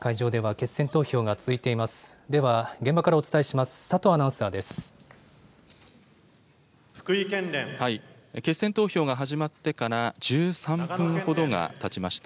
決選投票が始まってから１３分ほどがたちました。